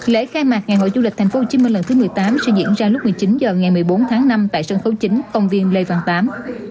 lễ khai mạc ngày hội du lịch tp hcm lần thứ một mươi tám sẽ diễn ra lúc một mươi chín h ngày một mươi bốn tháng năm tại sân khấu chính công viên lê văn tám